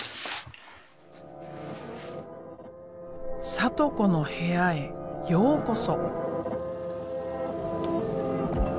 サト子の部屋へようこそ。